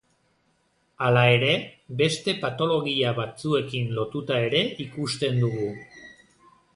Hala ere, beste patologia batzuekin lotuta ere ikusten dugu.